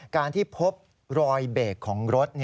การที่พบรอยเบรกของรถ